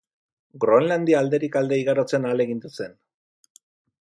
Groenlandia alderik alde igarotzen ahalegindu zen.